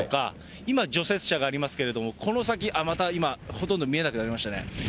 今、除雪車がありますけれども、この先、あっ、また今、ほとんど見えなくなりましたね。